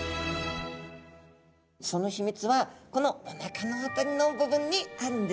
その秘密はこのおなかの辺りの部分にあるんです。